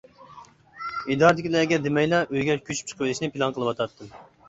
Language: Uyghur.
ئىدارىدىكىلەرگە دېمەيلا ئۆيگە كۆچۈپ چىقىۋېلىشنى پىلان قىلىۋاتاتتىم.